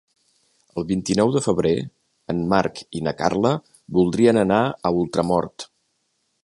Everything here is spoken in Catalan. El vint-i-nou de febrer en Marc i na Carla voldrien anar a Ultramort.